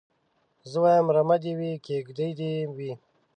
زه وايم رمه دي وي کيږدۍ دي وي